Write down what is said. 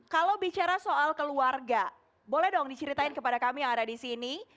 kalau bicara soal keluarga boleh dong diceritain kepada kami yang ada di sini